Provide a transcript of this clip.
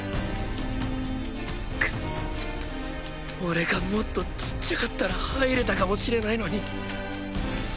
クッソ俺がもっと小っちゃかったら入れたかもしれないのに